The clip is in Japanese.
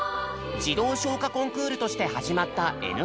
児童唱歌コンクールとして始まった「Ｎコン」。